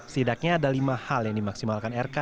setidaknya ada lima hal yang dimaksimalkan rk